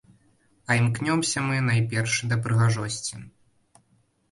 А імкнёмся мы, найперш, да прыгажосці.